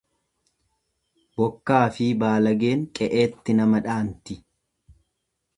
Bokkaafi baalageen qe'eetti nama dhaanti.